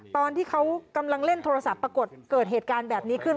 ตอนที่เขากำลังเล่นโทรศัพท์ปรากฏเกิดเหตุการณ์แบบนี้ขึ้น